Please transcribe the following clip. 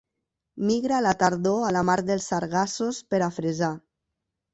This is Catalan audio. Migra a la tardor a la mar dels Sargassos per a fresar.